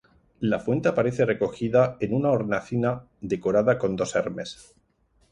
La fuente aparece recogida en una hornacina decorada con dos Hermes.